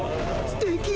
すてき！